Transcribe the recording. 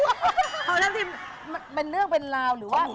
มันเป็นเลือกเป็นลาวหรือว่าไม่รู้อะ